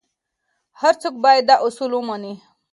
هر څوک باید دا اصول ومني.